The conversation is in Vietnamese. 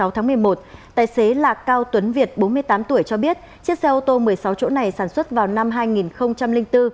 hai mươi tháng một mươi một tài xế là cao tuấn việt bốn mươi tám tuổi cho biết chiếc xe ô tô một mươi sáu chỗ này sản xuất vào năm hai nghìn bốn